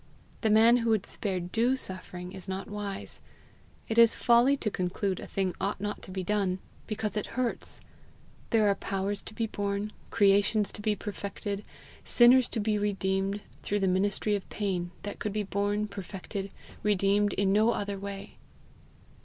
The man who would spare DUE suffering is not wise. It is folly to conclude a thing ought not to be done because it hurts. There are powers to be born, creations to be perfected, sinners to be redeemed, through the ministry of pain, that could be born, perfected, redeemed, in no other way.